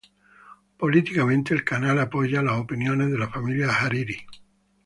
Políticamente, el canal apoya las opiniones de la familia Hariri.